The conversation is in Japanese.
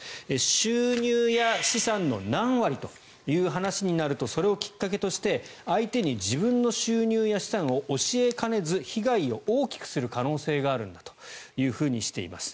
収入や資産の何割という話になるとそれをきっかけとして相手に自分の収入や資産を教えかねず被害を大きくする可能性があるんだというふうにしています。